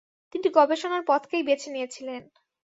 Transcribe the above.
তিনি গবেষণার পথকেই বেছে নিয়েছিলেন।